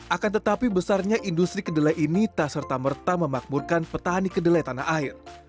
akan tetapi besarnya industri kedelai ini tak serta merta memakmurkan petani kedelai tanah air